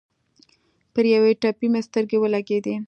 پر یوې تپې مې سترګې ولګېدې.